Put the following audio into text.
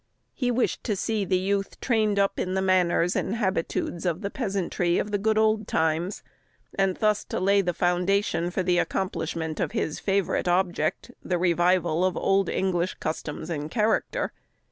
He wished to see the youth trained up in the manners and habitudes of the peasantry of the good old times, and thus to lay the foundation for the accomplishment of his favourite object, the revival of old English customs and character.